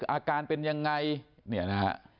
อาการเป็นยังไงเนี่ยนะฮะ